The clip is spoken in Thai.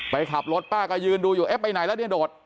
ไปขับรถป้าก็ยืนดูอยู่เอ๊ะไปไหนแล้วเนี่ยโดด